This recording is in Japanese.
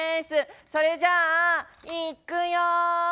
それじゃあいくよ！